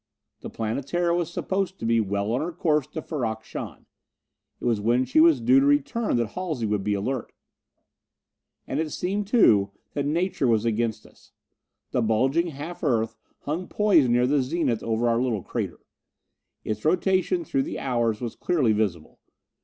The Planetara was supposed to be well on her course to Ferrok Shahn. It was when she was due to return that Halsey would be alert. And it seemed, too, that nature was against us. The bulging half Earth hung poised near the zenith over our little crater. Its rotation through the hours was clearly visible.